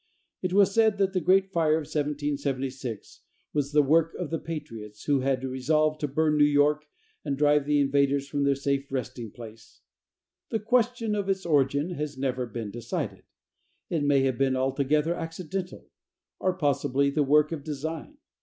It was said that the great fire of 1776 was the work of the patriots, who had resolved to burn New York, and drive the invaders from their safe resting place. The question of its origin has never been decided. It may have been altogether accidental, or possibly the work of design.